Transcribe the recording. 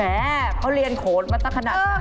เขาเรียนโขนมาสักขนาดนั้น